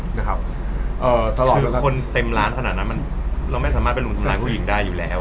คือคนเต็มร้านขนาดนั้นนะครับเราไม่สามารถไปทำงานปุ่ยหยิงได้อยู่แล้ว